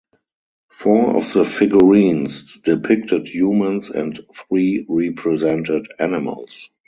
Four of the figurines depicted humans and three represented animals.